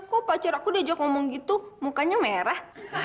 kok pacar aku diajak ngomong gitu mukanya merah